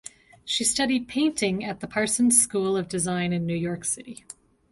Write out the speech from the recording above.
She studied painting at the Parsons School of Design in New York City.